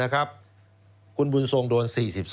คุณบุญทรงโดน๔๒